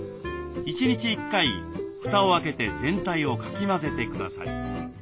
１日１回蓋を開けて全体をかき混ぜてください。